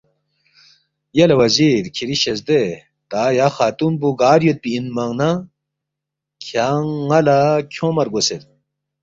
”یلے وزیر کِھری شزدے تا یا خاتون پو گار یودپی اِنمنگ نہ کھیانگ ن٘ا لہ کھیونگما رگوسید